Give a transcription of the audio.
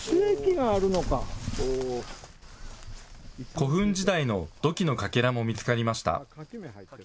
古墳時代の土器のかけらも見つかりました。